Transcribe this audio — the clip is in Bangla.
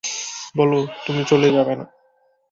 বলো তুমি চলে যাবে না।